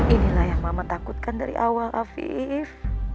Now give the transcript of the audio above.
inilah yang mama takutkan dari awal afif